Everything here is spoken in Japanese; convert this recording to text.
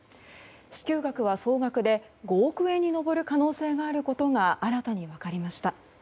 支給額は総額で５億円に上る可能性があることが新たに分かりました。